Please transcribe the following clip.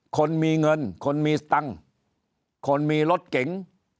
คนมีเงินคนมีสตังค์คนมีรถเก๋ง